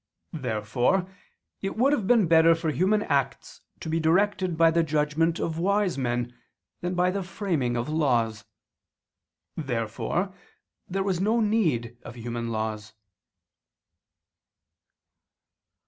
Therefore it would have been better for human acts to be directed by the judgment of wise men, than by the framing of laws. Therefore there was no need of human laws.